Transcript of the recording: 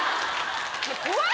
怖い！